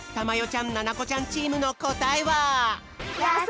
ちゃんななこちゃんチームのこたえは？